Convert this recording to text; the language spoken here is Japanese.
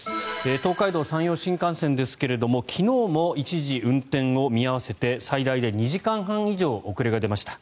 東海道・山陽新幹線ですが昨日も一時運転を見合わせて最大で２時間半以上遅れが出ました。